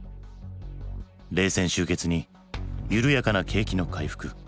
冷戦終結に緩やかな景気の回復。